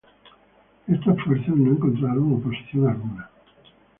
Estas fuerzas no encontraron oposición alguna.